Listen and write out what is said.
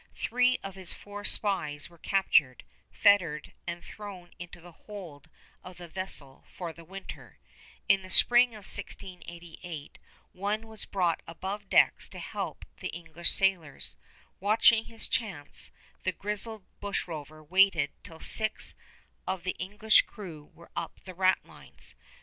Three of his four spies were captured, fettered, and thrown into the hold of the vessel for the winter. In the spring of 1688 one was brought above decks to help the English sailors. Watching his chance, the grizzled bushrover waited till six of the English crew were up the ratlines.